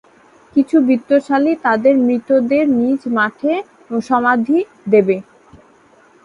কিছু বিত্তশালী তাদের মৃতদের নিজ মাঠে সমাধি দেবে।